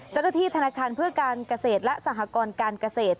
เจ้าหน้าที่ธนาคารเพื่อการเกษตรและสหกรการเกษตร